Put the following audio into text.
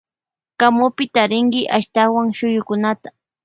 Kamupi tarinki ashtalla shuyukunata.